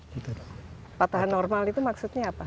patahan normal itu maksudnya apa